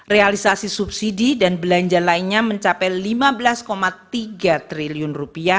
realisasi subsidi dan belanja lainnya mencapai rp lima belas tiga triliun